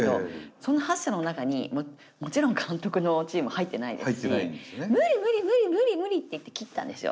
その８社の中にもちろん監督のチームは入ってないですし「無理無理無理無理無理」って言って切ったんですよ